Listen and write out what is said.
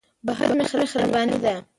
• بخښل مهرباني ده.